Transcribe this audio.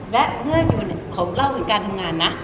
และเมื่ออยู่ขอเล่าเป็นการทำงานนะ